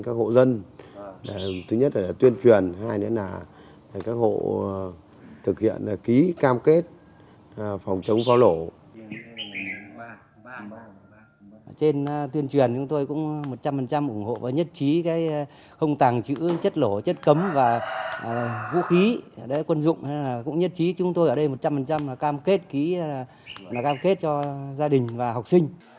chúng tôi ở đây một trăm linh cam kết cho gia đình và học sinh